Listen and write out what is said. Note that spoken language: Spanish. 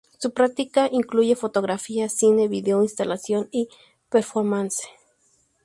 Su práctica incluye fotografía, cine, video, instalación y performance.